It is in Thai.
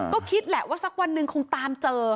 ก็คิดแหละว่าสักวันหนึ่งคงตามเจอ